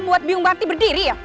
membuat biong bakti berdiri ya